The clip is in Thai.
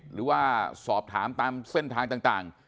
หรือว่าสอบถามตามเส้นทางต่าง